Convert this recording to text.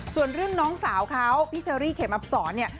ส่วนเรื่องน้องสาวเขาพี่เชอรี่เข็มอับสอนเนี่ย